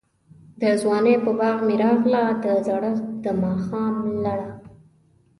دځوانۍ په باغ می راغله، دزړښت دماښام لړه